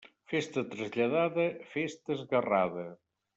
Festa traslladada, festa esguerrada.